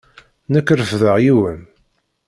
Nekk refdeɣ yiwen.